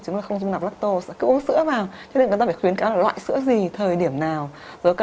nếu mà trường hợp bệnh lý nữa